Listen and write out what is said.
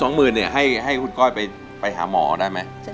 สมมุติ๒๐๐๐๐บาทให้คุณก้อยไปหาหมอได้ไหม